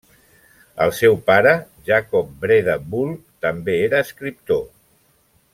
El seu pare Jacob Breda Bull també era escriptor.